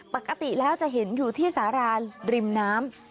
ปกติแล้วจะเห็นอยู่ที่สาราริมน้ำ